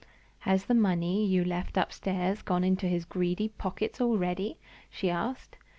"Has the money you left upstairs gone into his greedy pockets already?" she asked.